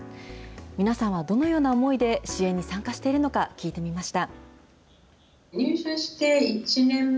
皆さんはどのような思いで支援に参加しているのか、聞いてみました。